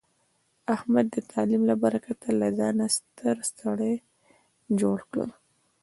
احمد د تعلیم له برکته له ځانه ستر سړی جوړ کړ.